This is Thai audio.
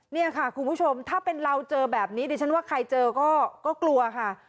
นี่ค่ะคุณผู้ชมถ้าเป็นเราเจอแบบนี้ดิฉันว่าใครเจอก็กลัวค่ะ